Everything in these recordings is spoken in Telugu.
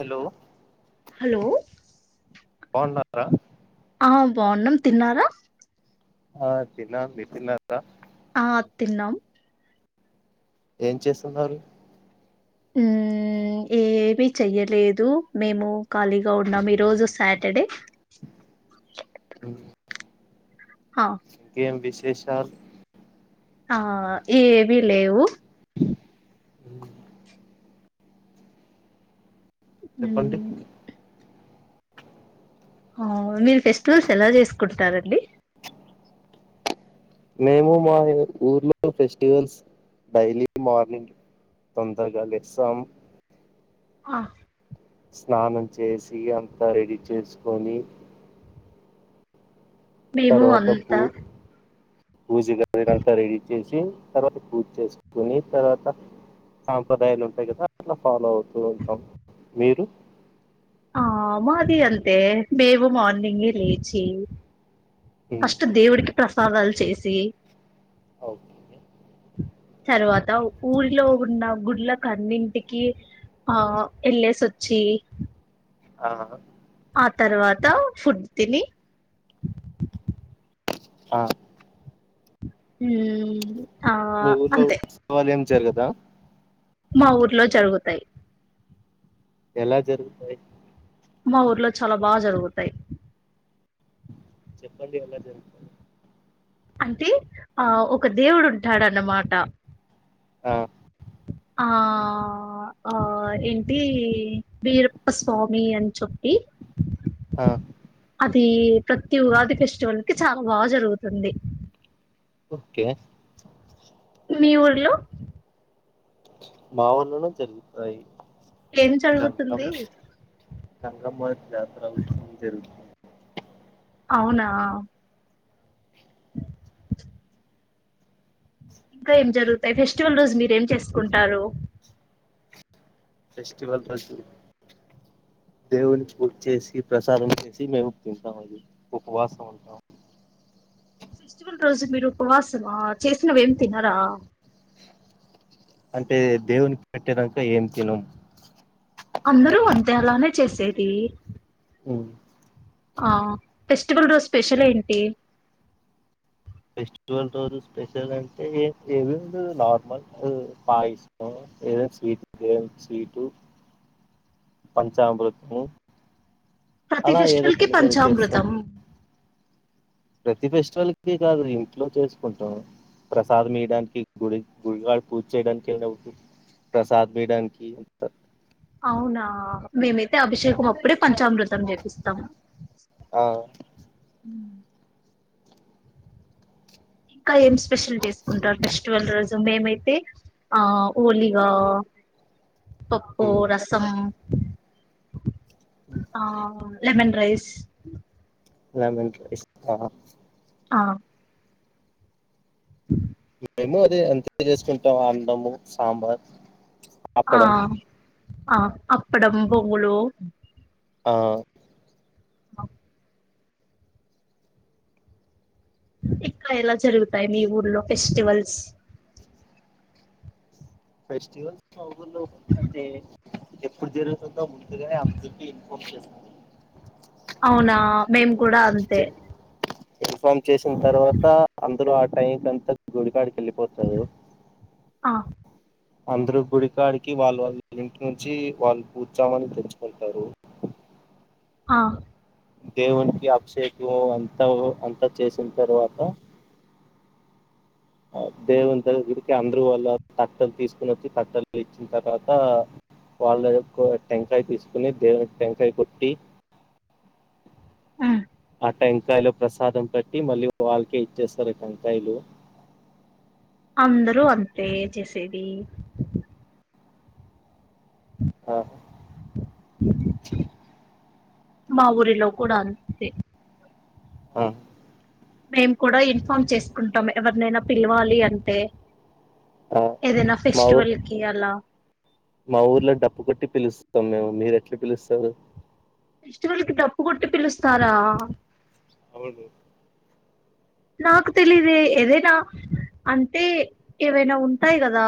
హలో హలో బాగున్నారా ఆ బాగున్నాం తిన్నారా ఆ తిన్నమండి మీరు తిన్నారా ఆ తిన్నాం ఏం చేస్తున్నారు ఉమ్ ఏమి చెయ్యలేదు మేము ఖాళీగా ఉన్నాం రోజు సాటర్డే హ ఏం విశేషాలు ఆ ఏ ఏవి లేవు చెప్పండి ఉమ్ ఆ మీరు ఫెస్టివల్స్ ఎలా చేసుకుంటారండి మేము మా ఊర్లో ఫెస్టివల్స్ డైలీ మార్నింగ్ తొందరగా లేస్తాం ఆ స్నానం చేసి అంతా రెడీ చేసుకొని మేము అంతా పూజగాదినంత రెడీ చేసి తర్వాత పూజ చేసుకుని తర్వాత సాంప్రదాయాలు ఉంటాయి కదా అట్లా ఫాలో అవుతూ ఉంటాం మీరు ఆ మాది అంతే మేము మార్నింగే లేచి ఉమ్, ఫస్ట్ దేవుడికి ప్రసాదాలు చేసి ఓకే తర్వాత ఊరిలో ఉన్న గుళ్ళకన్నింటికి ఆ ఎల్లేసి సొచ్చి అ ఆ తర్వాత ఫుడ్ తిని ఆ ఉం మీ ఊర్లో ఉత్సవాలు ఏం జరుగదా మా ఊర్లో జరుగుతాయి ఎలా జరుగుతాయి. మా ఊర్లో చాలా బాగా జరుగుతాయి చెప్పండి ఎలా జరుగుతాయి అంటే ఆ ఒక దేవుడు ఉంటాడు అన్నమాట ఆ ఆ ఆ ఏంటి వీరప్ప స్వామి అని చెప్పి ఆ అది ప్రతి ఉగాది ఫెస్టివల్ కి చాలా బాగా జరుగుతుంది ఓకే మీ ఊర్లో మా ఊర్లోను జరుగుతాయి ఏం జరుగుతుంది గంగమ జాతర ఉత్సవం జరుగుతుంది అవునా ఇంకా ఏం జరుగుతాయి ఫెస్టివల్ రోజు మీరు ఏం చేసుకుంటారు ఫెస్టివల్ రోజు దేవునికి పూజ చేసి ప్రసాదం చేసి మేము తింటాం అండి ఉపవాసం ఉంటాం ఫెస్టివల్ రోజు మీరు ఉపవాసమా చేసినవ ఏం తినరా!? అంటే దేవునికి పెట్టేదంకా ఏం తినము అందరూ అద్దం అలానే చేసేది. వు ఆ ఫెస్టివల్ రోజు స్పెషలేంటి? ఫెస్టివల్ రోజు స్పెషల్ అంటే ఏవి ఉండవు నార్మల్ పాయసం ఏద స్వీట్ ఏం స్వీటు పంచామృతం ప్రతి అలా ఏదో ఫెస్టివల్ కి కొన్ని కొన్ని చేస్తాం పంచామృతం ప్రతి ఫెస్టివల్ కి కాదు ఇంట్లో చేసుకుంటాం. ప్రసాదం ఈయడానికి గుడి పూజారి పూజ చేయడానికి అ ఉ ప్రసాదం బి డన్ కంత అవునా మేమైతే అభిషేకం అప్పుడే పంచామృతం చేపిస్తాం ఆ ఉ ఇంకా ఏం స్పెషల్ చేసుకుంటారు. ఫెస్టివల్ రోజు మేమైతే ఆ ఊలిగా పప్పు ఉమ్ రసం ఆ లెమన్ రైస్, లెమన్ రైస్ఆ ఆ మేము అదే అంత చేసుకుంటాం అండము సాంబార్ ఆ అప్పడం ఆ అప్పడం పొంగులు ఆ ఇక్క ఎలా జరుగుతాయి మీ ఊర్లో ఫెస్టివల్స్ ఫెస్టవల్స్ బాగుండ వ్ అంటే ఎప్పుడు జరుగుతుంద తెరివాంతికి పోయి అవునా మేము కూడా అంతే ఇన్ఫామ్ చేసిన తర్వాత అందర ఆ టైం క అంతా గుడికాడికి వ ఎళ్ళిపోతారు ఆ అందరూ గుడికాడికి వాళ్ళు వాళ్ళ ఇంటి నుంచి వాళ్ళు పూజమాను తెచ్చుకుంటారు. ఆ దేవునికి అభిషేకం అంతా అంతా చేసిన తర్వాత ఆ దేవు దగ్గరికి అందరు వల్ల తట్టలు తీసుకుని వచ్చి తట్టలు ఇచ్చిన తర్వాత వాళ్ళయొక్క టెంకాయ తీసుకుని దేవునుకి టెంకాయ కొట్టి ఉం టెంకాయలు ప్రసాదం పెట్టి మళ్ళీ వాళ్ళకే ఇచ్చేస్తారు టెంకాయలు అందరూ అంతే చేసేది. ఆా మా ఊరిలో కూడా అంతే ఆ మేము కూడా ఇన్ఫార్మ్ చేసుకుంటాం ఎవరినైనా పిలవాలి అంటే ఆ ఏదైనా మా ఊ ఫెస్టివల్ కి అలా మా ఊర్లో డప్పు కొట్టి పిలుస్తున్నాం మేము మీరు ఎట్లా పిలుస్తారు? ఫెస్టివల్ కి డప్పు కొట్టి పిలుస్తారా!? అవును నాకు తెలిదే ఏదేనా అంటే ఏవైనా ఉంటాయి కదా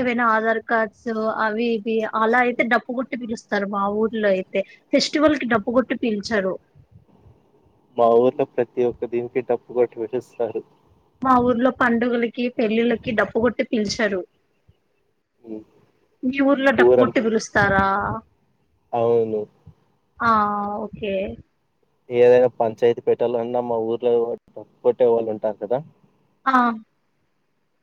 ఏవైనా ఆధార్ కార్డ్స్ అవి ఇవి అలా అయితే డబ్ప్పుు కొట్టి పిలుస్తారు. మా ఊర్లో అయితే ఫెస్టివల్ కి డబ్బు కొట్టి పిలిచరు. మా ఊర్లో ప్రతి ఒక్క దీనికి డప్పు కొట్టి విలుస్తారు మా ఊర్లో పండుగలకి పెళ్ళిళ్లకి డప్పుు కొట్టి పిలిచారు మీ ఊర్లో డప్పు కొట్టి ఊరంతా పిలుస్తస్తారా అవును ఆ ఓకే ఏదైనా పంచాయతీ ప పెటలోన్నా మా ఊర్లో డబ్బు కొట్టే వాళ్ళు ఉంటారు కదా ఆ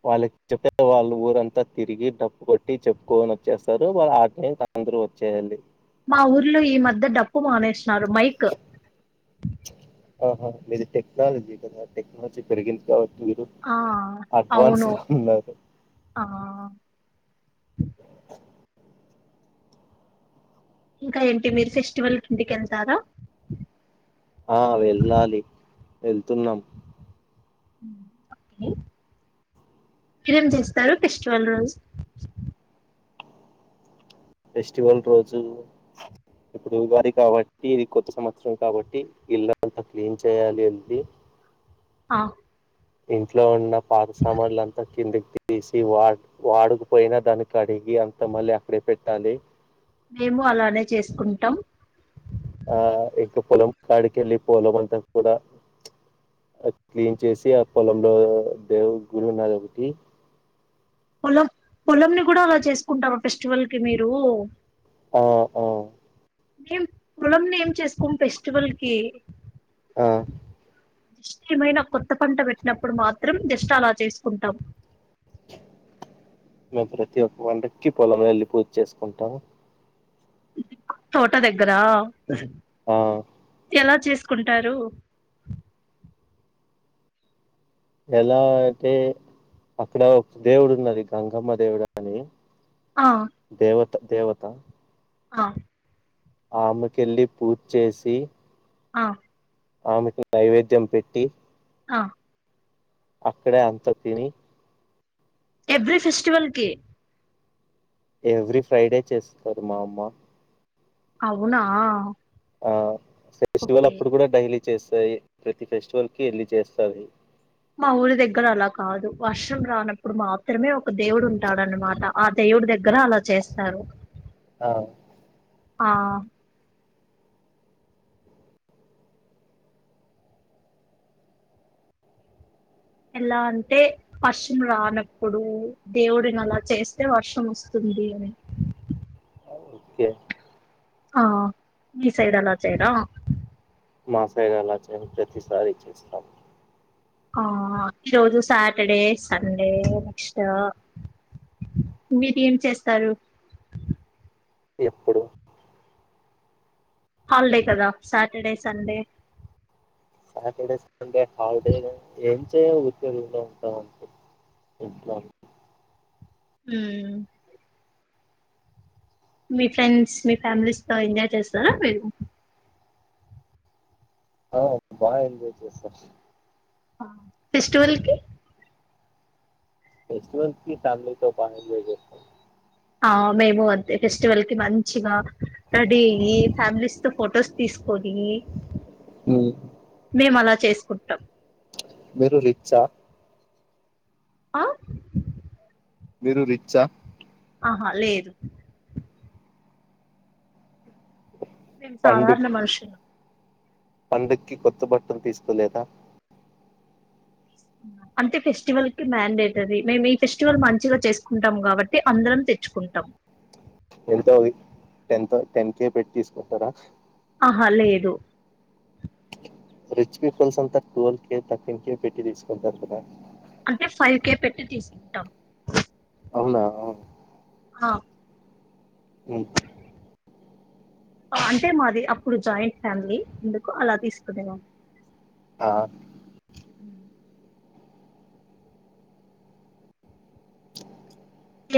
వాళ్ళకి చెప్తే వాళ్ళు ఊరంతా తిరిగి డబ్బు కొట్టి చెప్పుకొని వచ్చేస్తారు వాళ్ళ ఆటిని అందరుూ వచ్చేయండి మా ఊర్లో ఈ మధ్య డప్పు మానేసినారు మైక్ ఆహా మీది టెక్నాలజీ కదా టెక్నాలజీ పెరిగింది కావచ్చు మీరు ఆ అవును అడ్వాస్గా ఉన్నరు ఆ [inaudible] ఇంకా ఏంటి మీరు ఫెస్టివల్క్కి ఇంటికి వెళ్తారా ఆ వెళ్ళాలి వెళ్తున్నాం ఆ [inaudible] ఏరం చేస్తారు ఫెస్టివల్ రోజు ఫెస్టివల్ రోజు ఇప్పుడు ఉగాడి కాబట్టి ఇది కొత్త సంవత్సరం కాబట్టి ఇళ్లంత కలీన్ చేయాలి అది ఆ ఇంట్లో ఉన్న పాత సామాన్ల అంతా కిందికి తీసి వా వాడుకుపోయినా దానికి అడిగి అంత మళ్ళీ అక్కడే పెట్టాలి మేము అలానే చేసుకుంటాం ఆ ఇంకా పొలం కాడికెళ్ళి పొలం అంతా కూడా అది క్లీన్ చేసి ఆ పొలంలో దేవుడు గుడి ఉన్నది ఒకటి పొలం పొలం ని కూడా అలా చేసుకుంటార ఫెస్టివల్ కి మీరు ఆ ఆ మేం పొలంలో ఏం చేసుకోం ఫెస్టివల్ కి ఆ దిష్ట ఏమైనా కొత్త పంట పెట్టినప్పుడు మాత్రం దిష్ట అలా చేసుకుంటాం మేము ప్రతి ఒక్క పండకి పొలము వెళ్ళి పూజ చేసుకుంటాము యు తోట దగ్గరా ఆ ఎలా చేసుకుంటారు ఎలా అంటే అక్కడ ఒక దేవుడు ఉన్నది గంగమ్మ దేవుడు అని ఆ దేవత దేవత ఆ ఆమెకెళ్ళి పూజ చేసి ఆ ఆమెకి నైవేద్యం పెట్టి ఆ అక్కడే అంత తిని ఎవ్రీ ఫెస్టివల్ కి ఎవ్రీ ఫ్రైడే చేస్తారు మా అమ్మ అవునా ఆ ఫెస్టివల్ ఓకే అప్పుడు కూడా డైలీ చేస్తాయి ప్రతి ఫెస్టివల్ కి వెళ్ళ చేస్తది మా ఊరి దగ్గర అలా కాదు వర్షం రానప్పుడు మాత్రమే ఒక దేవుడు ఉంటాడన్నమాట ఆ దే దేవుడి దగ్గర అలా చేస్తారు ఆ ఆ ఎలా అంటే వర్షం రానప్పుడు దేవుడిని అలా చేస్తే వర్షం వస్తుంది అడిగానం ఆ ఓకే ఆ మీ సైడ్ అలా చేయరా మా సైడ్ అలా చేయరు ప్రతిసారి చేస్తాం ఆ ఈరోజు సాటర్డే సండే నెక్స్ట్ మీరు ఏం చేస్తారు ఎప్పుడు హాలిడే కదా సాటర్డే సండే సాటర్డే సండే హాల్డేగా ఏం చైర్లో కూర్చుని ఇంట్లో ఉంటాం అంతే ఇంట్లో మ్మ్ మీ ఫ్రెండ్స్ మీ ఫ్యామిలీస్ తో ఎంజాయ్ చేస్తారా మీరు ఆ బాగా ఎంజాయ్ చేస్తాం ఆ ఫెస్టివల్ కి ఫెస్టివల్ కి ఫ్యామిలీతో బాగా ఎంజాయ్ చేస్తాం ఆ మేము అంతే ఫెస్టివల్‌కి మంచిగా రెడీ అయ్యి ఫ్యామిలీస్‌తో ఫొటోస్ తీసుకొని ఉమ్, మేము అలా చేసుకుంటాం మీరు రిచ్చా ఆ మీరు రిచ్చా ఆహా లేదు మేము సాధారణ మనుషులం పండకి కొత్త బట్టలు తీసుకోలేదా అంటే ఫెస్టివల్‌కి మండేటరీ మేమి ఫెస్టివల్ మంచిగా చేసుకుంటాం కాబట్టి అందరం తెచ్చుకుంటాం ఎంతఅయి ఎంతో టెన్ కే పెట్టి తీసుకుంటారా ఆహా లేదు రిచ్ పీపుల్స్ అంతా టూవల్ కే థర్టీన్ కే పెట్టి తీసుకుంటారు కదా అంటే ఫైవ్ కే పెట్టి తీసుకుంటాం అవునా ఆ మ్మ్ ఆ అంటే మాది అప్పుడు జాయింట్ ఫ్యామిలీ అందుకు అలా తీసుకునే దా ఆ హ్మ్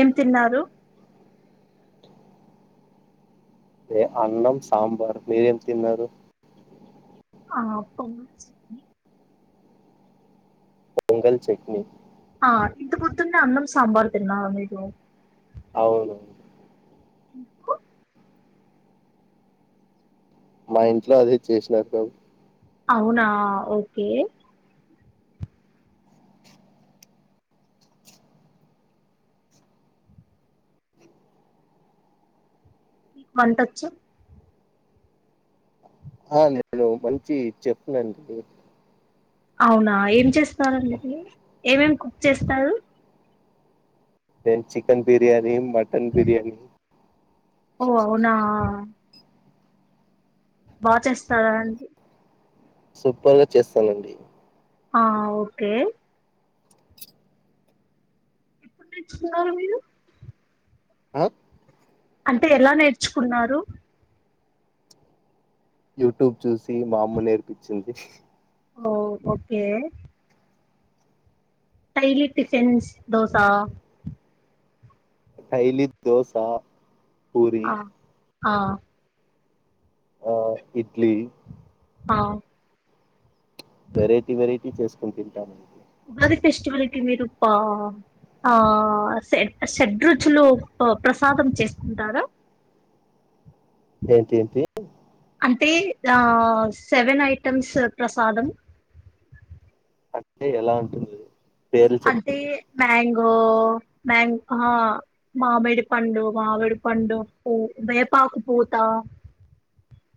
ఏం తిన్నారు అదే అన్నం సాంబార్ మీరేం తిన్నారు ఆపం చేట్నీ పొంగల్ చట్నీ ఈ ఇంత పొద్దునే అన్నం సాంబార్ తిన్నారా మీరు అవునవును ఎందుకు మా ఇంట్లో అదే చేసినారు కాబ అవునా ఓకే వంటొచ్చా ఆ నేను మంచి చెఫ్‌‌నండి అవునా ఏం చేస్తారండి ఏమేం కుక్ చేస్తారు నేన్ చికెన్ బిర్యానీ మటన్ బిర్యానీ ఓ అవునా బాచేస్తారా అండి సూపర్గా చేస్తానండి ఆ ఓకే ఎప్పుడు నేర్చుకున్నారు మీరు ఆ అంటే ఎలా నేర్చుకున్నారు యూట్యూబ్ చూసి మా అమ్మ నేర్పించింది ఓ ఓకే ఐడెంటి సెన్స్ దోసా ఆయిలీ దోసా పూరి ఆ ఆ ఆ ఇడ్లీ ఆ వెరైటీ వెరైటీ చేసుకొని తింటానండీ అది ఫెస్టివలికి విరుపా ఆ షడ్రుచులు ప్రసాదం చేస్తుంటారా ఏంటి ఏంటి అంటే సెవెన్ ఐటెమ్స్ ప్రసాదం అంటే ఎలా ఉంటుంది పేర్లు అదే చెప్పండి మ్యా ఓ మ్యాంగ్ ఆ మామిడి పండు మామిడి పండు ఉప్పు వేప ఆకు పోతా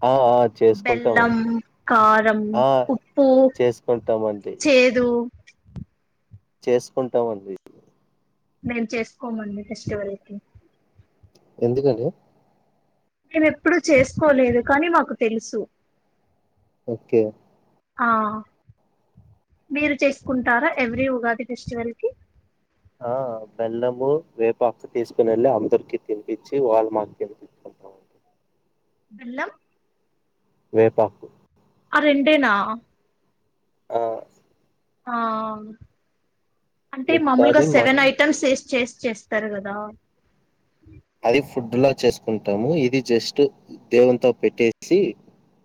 ఆ ఆ బెల్లం చేసుకుంటామండి మూక్క కారం ఆ ఉప్పు చేసుకుంటామండి చేేదు ఉ చేసుకుంటామండి మేము చేసుకోమండి ఫెస్టివల్ కి ఎందుకండి నేను ఎప్పుడూ చేసుకోలేదు కానీ మాకు తెలుసు ఓకే ఆ మీరు చేసుకుంటారా ఎవ్రీ ఉగాది ఫెస్టివల్ కి ఆ బెల్లము వేపాక్క తీసుకుని వెళ్ళి అందరికి తినిపించి వాల్ మాక్ తినిపించాం బెల్లం వేపాకు ఆ రెండేనా ఆ ఆ అంటే మామూలుగా మిగతాది మా సెవెన్ ఐటెమ్స్ చెస్ చెస్ చేస్తార్ కదా అది ఫుడ్లో చేసుకుంటాము ఇది జస్ట్ దేవంతో పెట్టేసి